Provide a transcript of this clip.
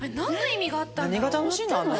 何が楽しいの？